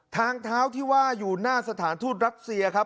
ทางเท้าที่ว่าอยู่หน้าสถานทูตรัสเซียครับ